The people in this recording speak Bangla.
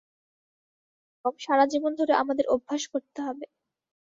যম ও নিয়ম সারা জীবন ধরে আমাদের অভ্যাস করতে হবে।